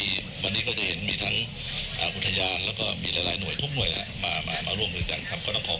วันนี้ก็จะเห็นมีทั้งอุทยานแล้วก็มีหลายหน่วยทุกหน่วยแล้วมาร่วมมือกันครับ